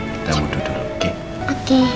kita duduk dulu oke